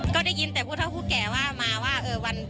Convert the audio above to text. ก็ได้ยินแต่ผู้เท่าผู้แก่ว่ามาว่า